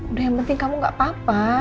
udah yang penting kamu gak apa apa